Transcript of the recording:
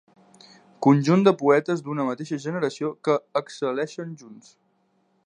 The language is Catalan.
Conjunt de poetes d'una mateixa generació que excel·leixen junts.